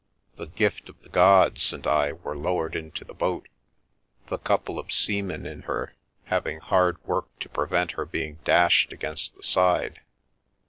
The Gift of the Gods and I were lowered into the boat; the couple of seamen in her having hard work to prevent her being dashed against the side.